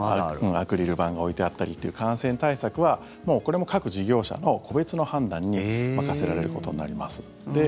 アクリル板が置いてあったりという感染対策はこれも各事業者の個別の判断に任せられることになります。